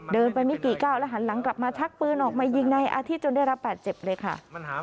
เดินไปไม่กี่ก้าวแล้วหันหลังกลับมาชักปืนออกมายิงในอาทิตยจนได้รับบาดเจ็บเลยค่ะ